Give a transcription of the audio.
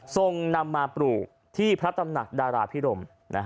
ส่งนำมาปลูกที่พระตำหนักดาราพิรม